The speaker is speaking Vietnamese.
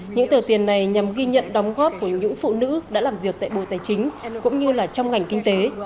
những tờ tiền này nhằm ghi nhận đóng góp của những phụ nữ đã làm việc tại bộ tài chính cũng như là trong ngành kinh tế